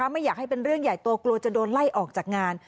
ไม่อยากให้เป็นเรื่องใหญ่ตัวกลัวจะโดนไล่ออกจากงาน